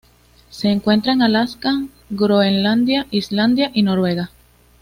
Se encuentra en Alaska, Groenlandia, Islandia y Noruega.